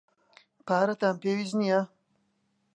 پارەتان پێویست نییە.